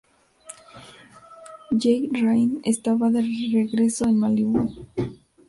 Jake Ryan esta de regreso en Malibu.